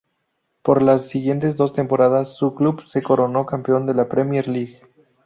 Por las siguientes dos temporadas, su club se coronó campeón de la Premier League.